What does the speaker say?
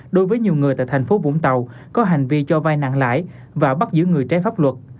đối với nhiều người tại thành phố vũng tàu có hành vi cho vai nặng lãi và bắt giữ người trái pháp luật